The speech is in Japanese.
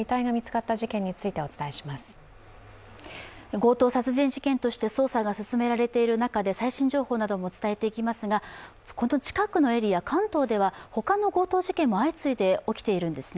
強盗殺人事件として捜査が進められている中で最新情報なども伝えていきますがこの近くのエリア、関東では他の強盗事件も相次いで起きているんですね。